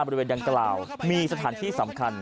เป็นวิธียังกล่าวมีสถานที่สำคัญ